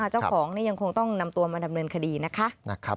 เจ้าของนี่ยังคงต้องนำตัวมาดำเนินคดีนะคะ